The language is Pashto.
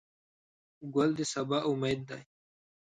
ګل د سبا امید دی.